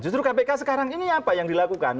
justru kpk sekarang ini apa yang dilakukan